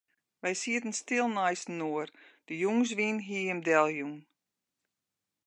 Wy sieten stil neistinoar, de jûnswyn hie him deljûn.